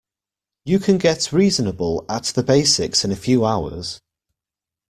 You can get reasonable at the basics in a few hours.